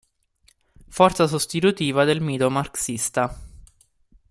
Forza sostitutiva del mito marxista”.